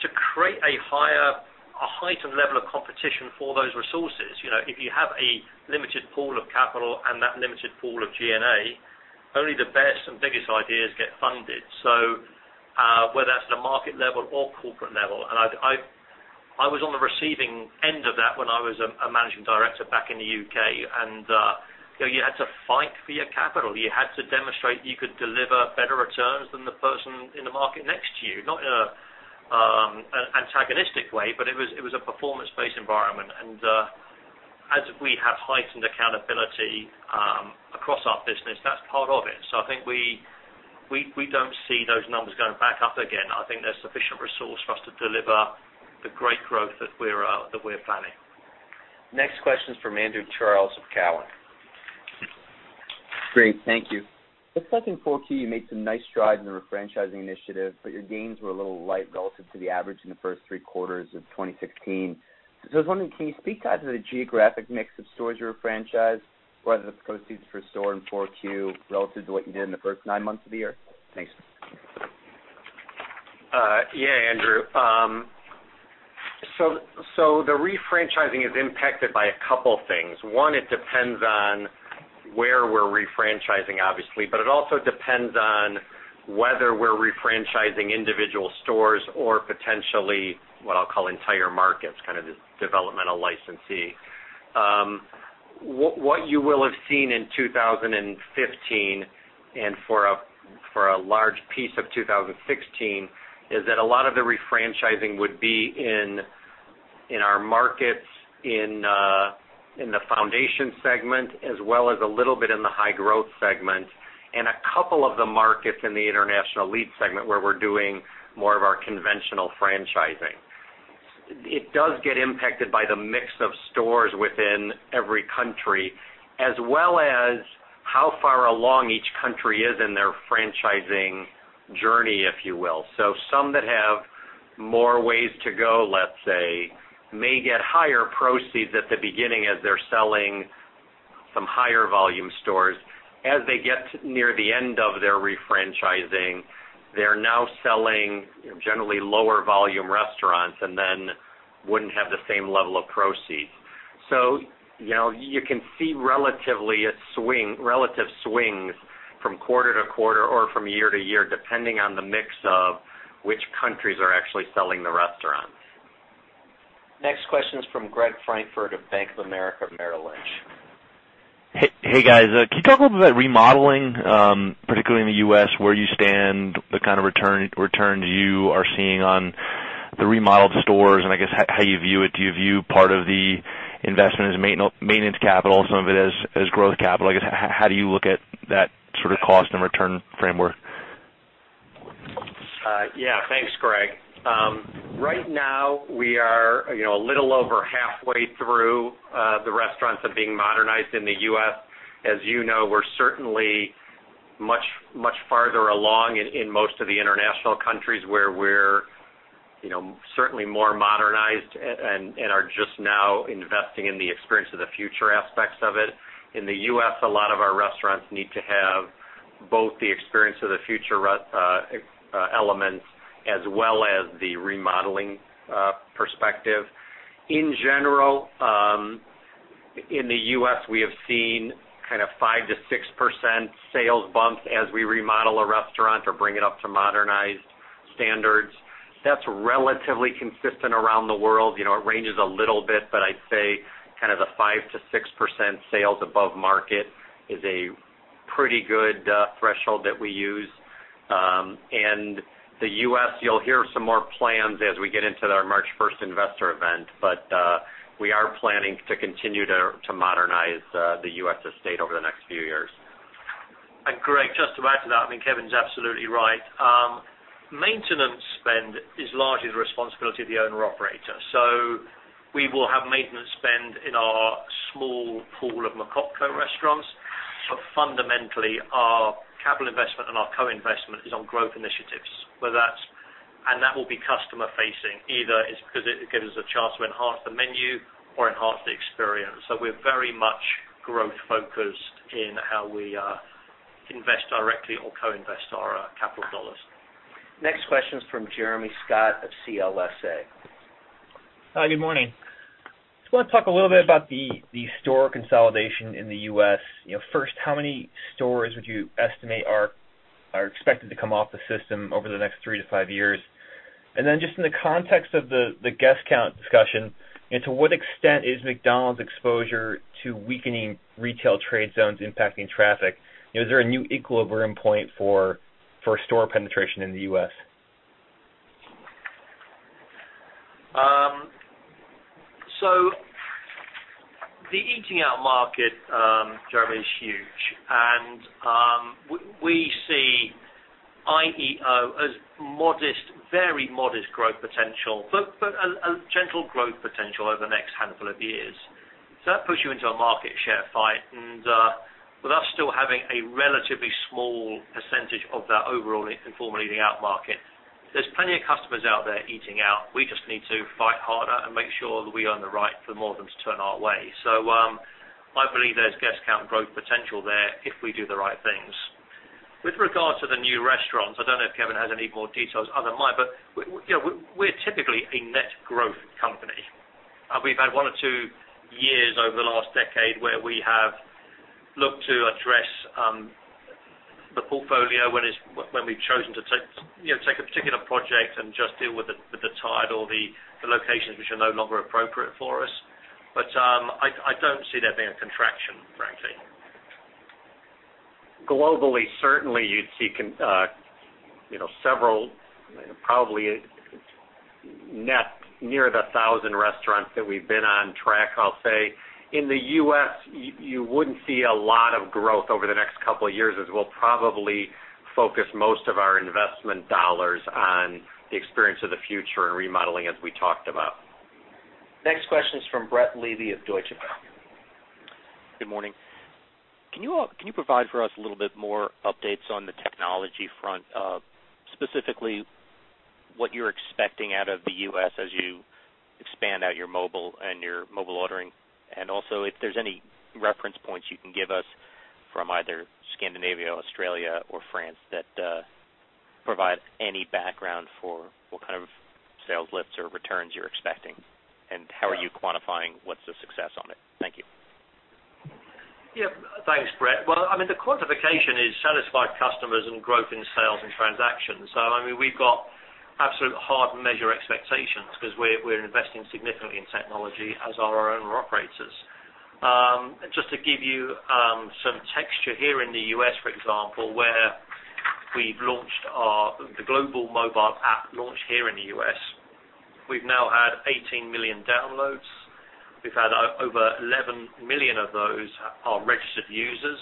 to create a heightened level of competition for those resources. If you have a limited pool of capital and that limited pool of G&A, only the best and biggest ideas get funded, whether that's at a market level or corporate level. I was on the receiving end of that when I was a managing director back in the U.K., you had to fight for your capital. You had to demonstrate you could deliver better returns than the person in the market next to you, not in an antagonistic way, but it was a performance-based environment. As we have heightened accountability across our business, that's part of it. I think we don't see those numbers going back up again. I think there's sufficient resource for us to deliver the great growth that we're planning. Next question is from Andrew Charles of Cowen. Great. Thank you. It looks like in 4Q, you made some nice strides in the refranchising initiative, but your gains were a little light relative to the average in the first three quarters of 2016. I was wondering, can you speak to the geographic mix of stores you refranchised, whether the proceeds for store in 4Q relative to what you did in the first nine months of the year? Thanks. Yeah, Andrew. The refranchising is impacted by a couple things. One, it depends on where we're refranchising, obviously, but it also depends on whether we're refranchising individual stores or potentially what I'll call entire markets, kind of the developmental licensee. What you will have seen in 2015 and for a large piece of 2016, is that a lot of the refranchising would be in our markets in the Foundation segment, as well as a little bit in the High-Growth segment, and a couple of the markets in the International Lead segment where we're doing more of our conventional franchising. It does get impacted by the mix of stores within every country, as well as how far along each country is in their franchising journey, if you will. Some that have more ways to go, let's say, may get higher proceeds at the beginning as they're selling some higher volume stores. As they get near the end of their refranchising, they're now selling generally lower volume restaurants and wouldn't have the same level of proceeds. You can see relative swings from quarter to quarter or from year to year, depending on the mix of which countries are actually selling the restaurants. Next question is from Greg Francfort of Bank of America Merrill Lynch. Hey, guys. Can you talk a little bit remodeling, particularly in the U.S., where you stand, the kind of return you are seeing on the remodeled stores and I guess how you view it? Do you view part of the investment as maintenance capital, some of it as growth capital? I guess, how do you look at that sort of cost and return framework? Yeah. Thanks, Greg. Right now, we are a little over halfway through the restaurants that are being modernized in the U.S. As you know, we're certainly much farther along in most of the international countries where we're certainly more modernized and are just now investing in the Experience of the Future aspects of it. In the U.S., a lot of our restaurants need to have both the Experience of the Future elements as well as the remodeling perspective. In general, in the U.S., we have seen kind of 5%-6% sales bumps as we remodel a restaurant or bring it up to modernized standards. That's relatively consistent around the world. It ranges a little bit, but I'd say kind of the 5%-6% sales above market is a pretty good threshold that we use. The U.S., you'll hear some more plans as we get into our March 1st investor event, but we are planning to continue to modernize the U.S. estate over the next few years. Greg, just to add to that, Kevin's absolutely right. Maintenance spend is largely the responsibility of the owner operator. We will have maintenance spend in our small pool of McCafé restaurants. Fundamentally, our capital investment and our co-investment is on growth initiatives. That will be customer facing, either it's because it gives us a chance to enhance the menu or enhance the experience. We're very much growth-focused in how we invest directly or co-invest our capital dollars. Next question is from Jeremy Scott of CLSA. Hi, good morning. Just want to talk a little bit about the store consolidation in the U.S. First, how many stores would you estimate are expected to come off the system over the next three to five years? Then just in the context of the guest count discussion, and to what extent is McDonald's exposure to weakening retail trade zones impacting traffic? Is there a new equilibrium point for store penetration in the U.S.? The eating out market, Jeremy, is huge. We see IEO as modest, very modest growth potential, but a gentle growth potential over the next handful of years. That puts you into a market share fight and with us still having a relatively small percentage of that overall informal eating out market, there's plenty of customers out there eating out. We just need to fight harder and make sure that we earn the right for more of them to turn our way. I believe there's guest count growth potential there if we do the right things. With regards to the new restaurants, I don't know if Kevin has any more details other than mine, but we're typically a net growth company. We've had one or two years over the last decade where we have looked to address the portfolio when we've chosen to take a particular project and just deal with the tide or the locations which are no longer appropriate for us. I don't see there being a contraction, frankly. Globally, certainly you'd see several, probably net near the 1,000 restaurants that we've been on track, I'll say. In the U.S., you wouldn't see a lot of growth over the next couple of years as we'll probably focus most of our investment dollars on the Experience of the Future and remodeling as we talked about. Next question is from Brett Levy of Deutsche Bank. Good morning. Can you provide for us a little bit more updates on the technology front? Specifically, what you're expecting out of the U.S. as you expand out your mobile and your mobile ordering? Also, if there's any reference points you can give us from either Scandinavia, Australia, or France that provide any background for what kind of sales lifts or returns you're expecting, and how are you quantifying what's the success on it? Thank you. Yeah. Thanks, Brett. Well, the quantification is satisfied customers and growth in sales and transactions. We've got absolute hard measure expectations because we're investing significantly in technology, as are our owner operators. Just to give you some texture here in the U.S., for example, where we've launched the global mobile app launch here in the U.S. We've now had 18 million downloads. We've had over 11 million of those are registered users.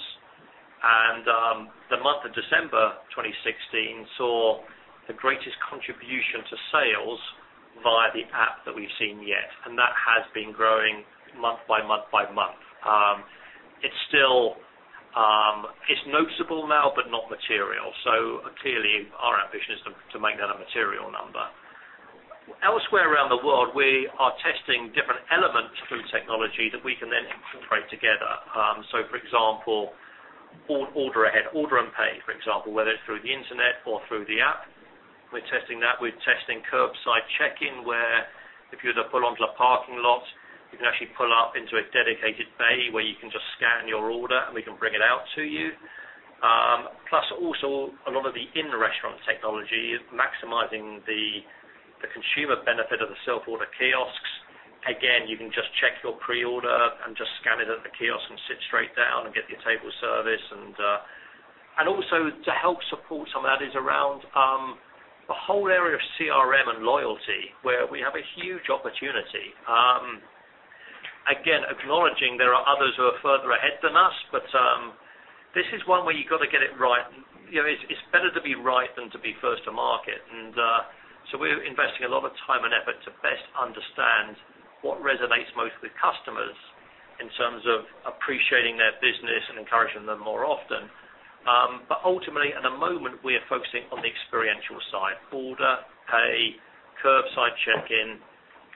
The month of December 2016 saw the greatest contribution to sales via the app that we've seen yet, and that has been growing month by month by month. It's noticeable now, but not material. Clearly our ambition is to make that a material number. Elsewhere around the world, we are testing different elements through technology that we can then infiltrate together. For example, order ahead, order and pay, for example, whether it's through the internet or through the app, we're testing that. We're testing curbside check-in, where if you were to pull onto a parking lot, you can actually pull up into a dedicated bay where you can just scan your order, and we can bring it out to you. Plus also a lot of the in-restaurant technology is maximizing the consumer benefit of the self-order kiosks. Again, you can just check your pre-order and just scan it at the kiosk and sit straight down and get your table service and, also to help support some of that is around the whole area of CRM and loyalty, where we have a huge opportunity. Again, acknowledging there are others who are further ahead than us, but this is one where you got to get it right. It's better to be right than to be first to market. We're investing a lot of time and effort to best understand what resonates most with customers in terms of appreciating their business and encouraging them more often. Ultimately, at the moment, we are focusing on the experiential side, order, pay, curbside check-in,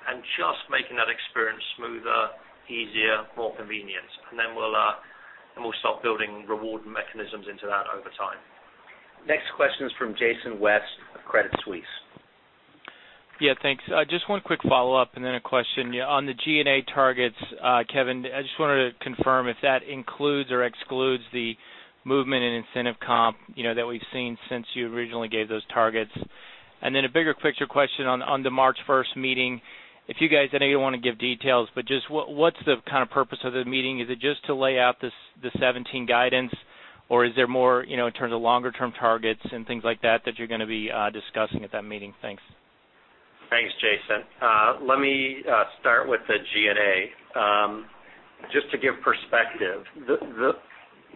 and just making that experience smoother, easier, more convenient. Then we'll start building reward mechanisms into that over time. Next question is from Jason West of Credit Suisse. Yeah, thanks. Just one quick follow-up and then a question. On the G&A targets, Kevin, I just wanted to confirm if that includes or excludes the movement in incentive comp, that we've seen since you originally gave those targets. Then a bigger picture question on the March 1st meeting. If you guys, I know you don't want to give details, but just what's the kind of purpose of the meeting? Is it just to lay out the 2017 guidance, or is there more, in terms of longer term targets and things like that you're going to be discussing at that meeting? Thanks. Thanks, Jason West. Let me start with the G&A. Just to give perspective,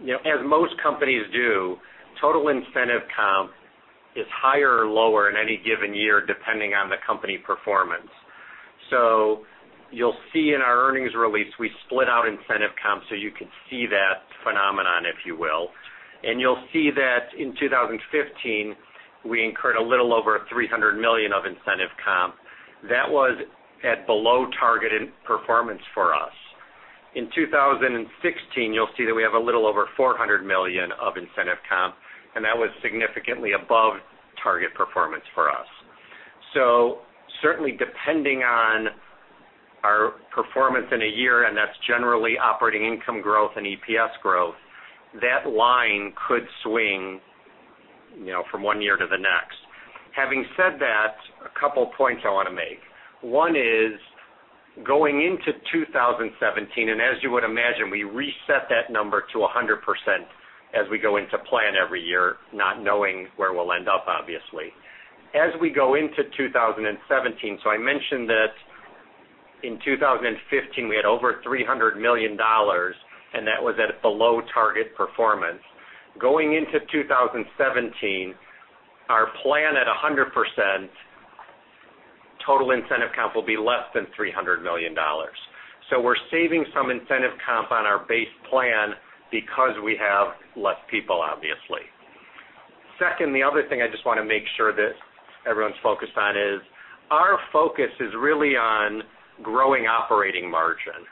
as most companies do, total incentive comp is higher or lower in any given year, depending on the company performance. You'll see in our earnings release, we split out incentive comp so you can see that phenomenon, if you will. You'll see that in 2015, we incurred a little over $300 million of incentive comp. That was at below targeted performance for us. In 2016, you'll see that we have a little over $400 million of incentive comp, and that was significantly above target performance for us. Certainly depending on our performance in a year, and that's generally operating income growth and EPS growth, that line could swing from one year to the next. Having said that, a couple points I want to make. One is going into 2017, as you would imagine, we reset that number to 100% as we go into plan every year, not knowing where we'll end up, obviously. As we go into 2017, I mentioned that in 2015, we had over $300 million, and that was at below target performance. Going into 2017, our plan at 100% total incentive comp will be less than $300 million. We're saving some incentive comp on our base plan because we have less people, obviously. Second, the other thing I just want to make sure that everyone's focused on is our focus is really on growing operating margin.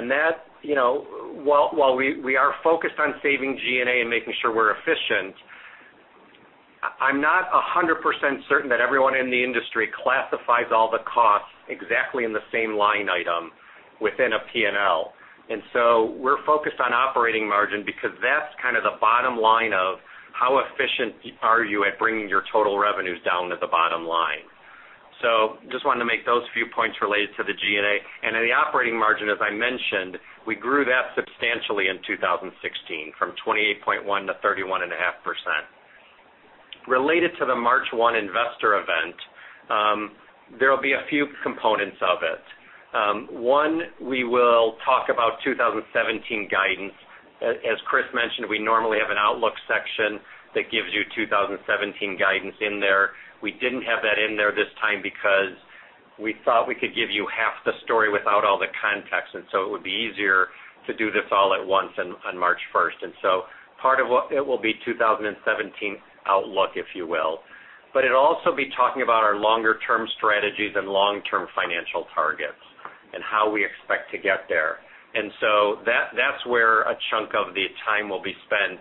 While we are focused on saving G&A and making sure we're efficient, I'm not 100% certain that everyone in the industry classifies all the costs exactly in the same line item within a P&L. We're focused on operating margin because that's kind of the bottom line of how efficient are you at bringing your total revenues down to the bottom line. Just wanted to make those few points related to the G&A. The operating margin, as I mentioned, we grew that substantially in 2016 from 28.1%-31.5%. Related to the March 1 investor event, there'll be a few components of it. One, we will talk about 2017 guidance. As Chris mentioned, we normally have an outlook section that gives you 2017 guidance in there. We didn't have that in there this time because we thought we could give you half the story without all the context, it would be easier to do this all at once on March 1st. Part of what it will be 2017 outlook, if you will. It'll also be talking about our longer term strategies and long-term financial targets and how we expect to get there. That's where a chunk of the time will be spent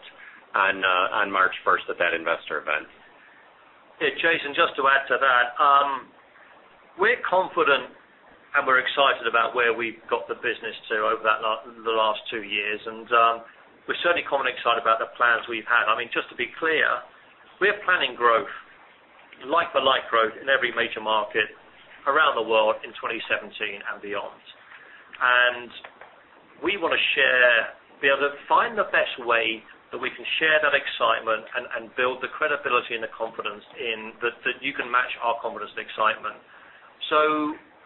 on March 1st at that investor event. Jason, just to add to that. We're confident and we're excited about where we've got the business to over the last two years, and we're certainly calm and excited about the plans we've had. Just to be clear, we are planning growth, like-for-like growth in every major market around the world in 2017 and beyond. We want to be able to find the best way that we can share that excitement and build the credibility and the confidence in that you can match our confidence and excitement.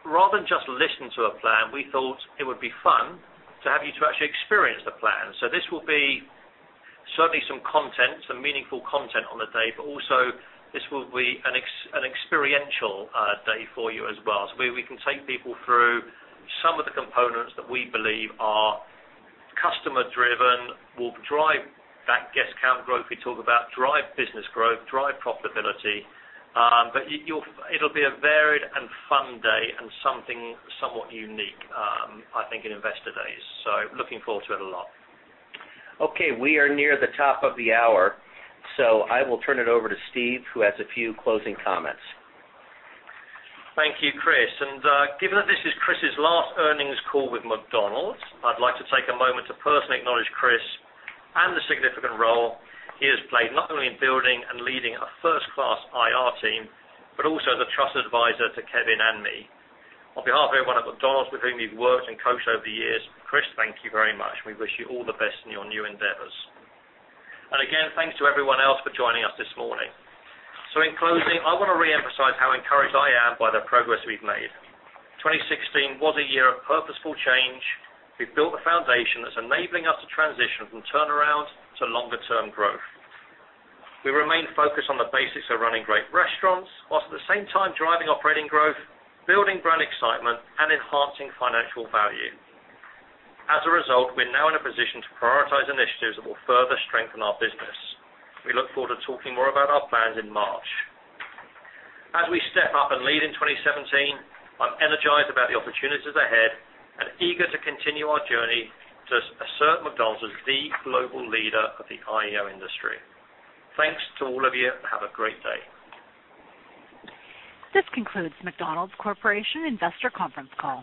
Rather than just listen to a plan, we thought it would be fun to have you to actually experience the plan. This will be certainly some content, some meaningful content on the day, but also this will be an experiential day for you as well. We can take people through some of the components that we believe are customer driven, will drive that guest count growth we talk about, drive business growth, drive profitability. It'll be a varied and fun day and something somewhat unique, I think, in investor days. Looking forward to it a lot. We are near the top of the hour. I will turn it over to Steve, who has a few closing comments. Thank you, Chris. Given that this is Chris' last earnings call with McDonald's, I'd like to take a moment to personally acknowledge Chris and the significant role he has played, not only in building and leading a first-class IR team, but also as a trusted advisor to Kevin and me. On behalf of everyone at McDonald's with whom you've worked and coached over the years, Chris, thank you very much. We wish you all the best in your new endeavors. Again, thanks to everyone else for joining us this morning. In closing, I want to reemphasize how encouraged I am by the progress we've made. 2016 was a year of purposeful change. We've built a foundation that's enabling us to transition from turnaround to longer term growth. We remain focused on the basics of running great restaurants, while at the same time driving operating growth, building brand excitement, and enhancing financial value. As a result, we're now in a position to prioritize initiatives that will further strengthen our business. We look forward to talking more about our plans in March. As we step up and lead in 2017, I'm energized about the opportunities ahead and eager to continue our journey to assert McDonald's as the global leader of the IEO industry. Thanks to all of you, and have a great day. This concludes McDonald's Corporation Investor Conference Call.